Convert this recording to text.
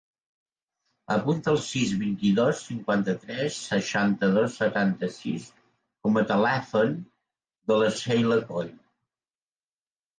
Apunta el sis, vint-i-dos, cinquanta-tres, seixanta-dos, setanta-sis com a telèfon de la Sheila Coll.